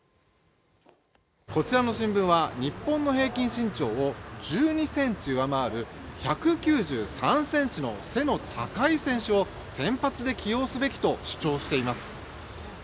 こちらの新聞は日本の平均身長を１２ｃｍ上回る１９３ｃｍの背の高い選手を先発で起用すべきと主張しています。